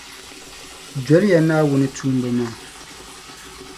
Doli ya Naawuni tuumba maa.